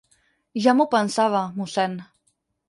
Ja m'ho pensava, mossèn.